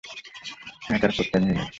Hat আর coat টা নিয়ে যাচ্ছি।